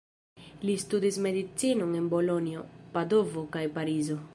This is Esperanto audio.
Li studis Medicinon en Bolonjo, Padovo kaj Parizo.